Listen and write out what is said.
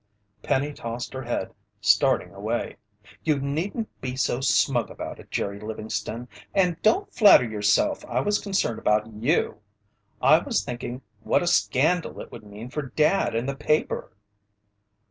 Penny tossed her head, starting away. "You needn't be so smug about it, Jerry Livingston! And don't flatter yourself I was concerned about you! I was thinking what a scandal it would mean for Dad and the paper!"